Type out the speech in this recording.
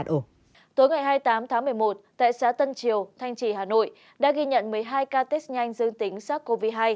tối ngày hai mươi tám tháng một mươi một tại xã tân triều thanh trì hà nội đã ghi nhận một mươi hai ca test nhanh dương tính sars cov hai